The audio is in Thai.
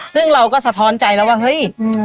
ซึ่งเราก็สะท้อนใจแล้วว่าเฮ้ย